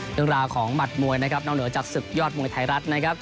เรื่องราวของหมดมวยนองเหนอจากศึกยอดมวยไทยรัฐ